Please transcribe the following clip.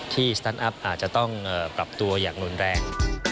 สตันอัพอาจจะต้องปรับตัวอย่างรุนแรง